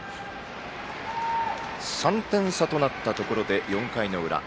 ３点差となったところで４回の裏。